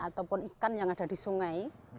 ataupun ikan yang ada di sungai